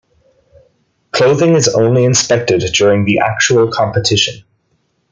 Clothing is only inspected during the actual competition.